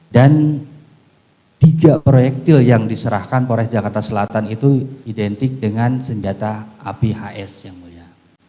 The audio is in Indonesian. dan tiga proyektil yang diserahkan polres jakarta selatan itu identik dengan senjata api hs yang mulia